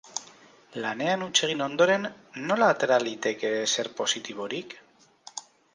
Lanean huts egin ondoren, nola atera liteke ezer positiborik?